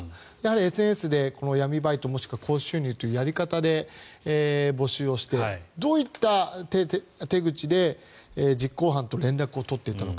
ＳＮＳで闇バイトもしくは高収入というやり方で募集をして、どういった手口で実行犯と連絡を取っていたのか。